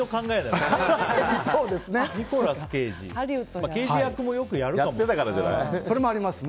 まあ刑事役もよくやるかもね。